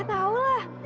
ya tau lah